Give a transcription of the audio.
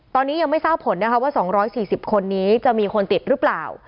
ตอนนี้ยังไม่ทราบผลนะคะว่า๒๔๐คนนี้จะมีคนติดหรือเปล่า